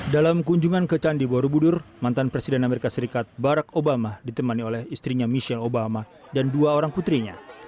dalam kunjungan ke candi borobudur mantan presiden amerika serikat barack obama ditemani oleh istrinya michelle obama dan dua orang putrinya